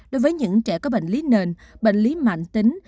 đối với những trẻ có bệnh lý nền bệnh lý mạng tính